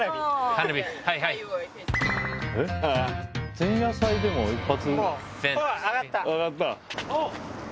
前夜祭でも１発？